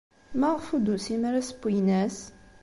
Maɣef ur d-tusim ara ass n uynas?